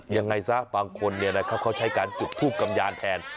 ยังไงซะบางคนเขาใช้การจุดทูบกำยานแทน